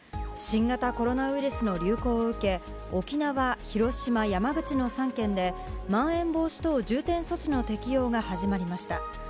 新型コロナウイルスの流行を受け沖縄、広島、山口の３県でまん延防止等重点措置の適用が始まりました。